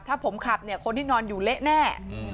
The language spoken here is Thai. ถ้าผมขับเนี่ยคนที่นอนอยู่เละแน่